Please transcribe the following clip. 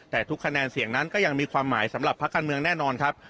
แต่ทุกคะแนนเสียงนั้นก็ยังมีความหมายสำหรับภาคการเมืองแน่นอนครับ